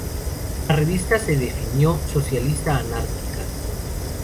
La revista se definió ""socialista anárquica"".